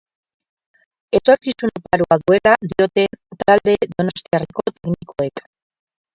Etorkizun oparoa duela diote talde doniostiarreko teknikoek.